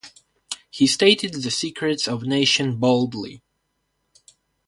He stated the secrets of nation boldly.